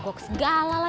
gak ada apa apa